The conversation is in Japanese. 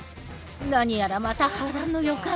何やらまた波乱の予感。